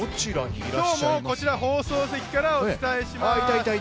今日も放送席からお伝えします。